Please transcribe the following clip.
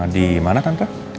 di mana tante